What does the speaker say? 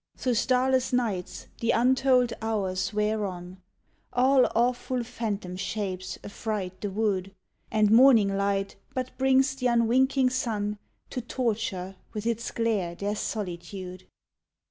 Thro' starless nights the untold hours wear on, All awful phantom shapes affright the wood And morning light but brings th' unwinking sun, To torture with its glare their solitude.